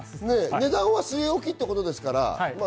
値段は据え置きということですから。